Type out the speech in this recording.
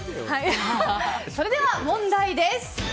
それでは問題です。